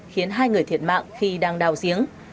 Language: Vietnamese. khiến hai người thiệt mạng khi đang đào giếng